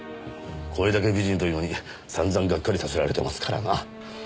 声だけ美人というのにさんざんがっかりさせられてますからな。